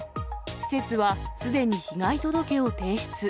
施設はすでに被害届を提出。